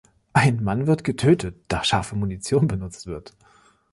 Ein Mann wird getötet, da scharfe Munition benutzt wird.